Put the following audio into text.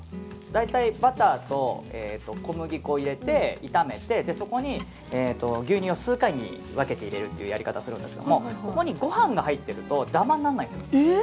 大体、バターと小麦粉を入れて炒めてそこに牛乳を数回に分けて入れるというやり方をするんですがここにご飯が入ってるとダマにならないんですよ。